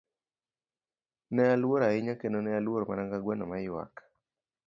Ne aluor ahinya, kendo ne aluor mana ka gweno ma ywak.